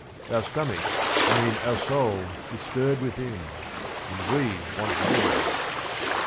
Our stomach ... I mean, our soul is stirred within, And we want words."